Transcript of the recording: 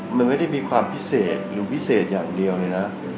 มันไม่ได้มีความพิเศษหรือพิเศษอย่างเดียวเลยนะ